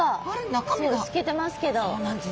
そうなんです。